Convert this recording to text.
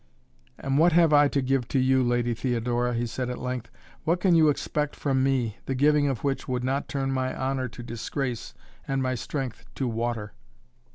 "And what have I to give to you, Lady Theodora," he said at length. "What can you expect from me, the giving of which would not turn my honor to disgrace and my strength to water?"